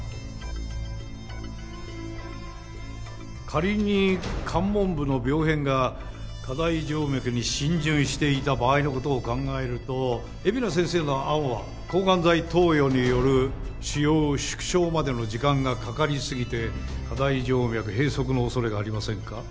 仮に肝門部の病変が下大静脈に浸潤していた場合の事を考えると海老名先生の案は抗がん剤投与による腫瘍縮小までの時間がかかりすぎて下大静脈閉塞の恐れがありませんか？